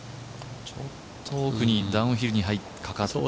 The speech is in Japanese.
ちょっと奥にダウンヒルにかかって。